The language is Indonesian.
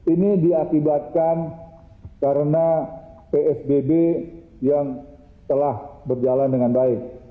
ini diakibatkan karena psbb yang telah berjalan dengan baik